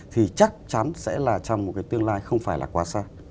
thì chắc chắn sẽ là trong một cái tương lai không phải là quá xa